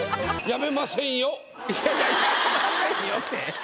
「辞めませんよ」て。